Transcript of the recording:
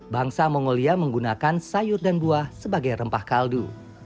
bangsa mongolia menggunakan sayur dan buah sebagai rempah kaldu